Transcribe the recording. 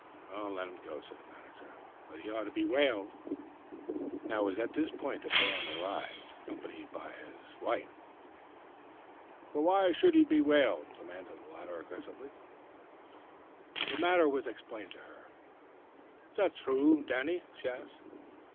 "Let him go," said the manager; "but he ought to be whaled." It was at this point that Dan arrived, accompanied by his wife. "F'r why sh'u'd he be whaled?" demanded the latter aggressively. The matter was explained to her. "Is that thrue, Danny?" she asked.